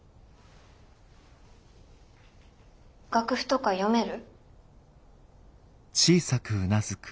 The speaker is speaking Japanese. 楽譜とか読める？